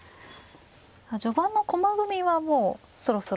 序盤の駒組みはもうそろそろ。